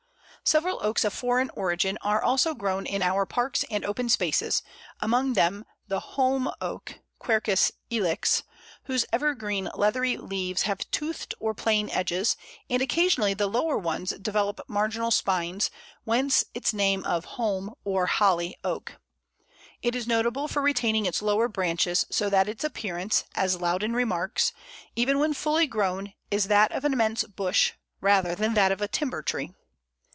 Several Oaks of foreign origin are also grown in our parks and open spaces; among them the Holm Oak (Quercus ilex) whose evergreen leathery leaves have toothed or plain edges, and occasionally the lower ones develop marginal spines, whence its name of Holm or Holly Oak. It is notable for retaining its lower branches, so that its appearance, as Loudon remarks, "even when fully grown, is that of an immense bush, rather than that of a timber tree."